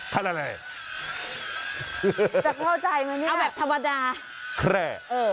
อะไรจะเข้าใจไหมนี่เอาแบบธรรมดาแคร่เออ